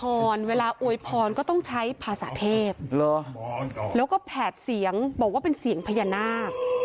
เวลาอวยพรก็ต้องใช้ภาษาเทพแล้วก็แผดเสียงบอกว่าเป็นเสียงพญานาค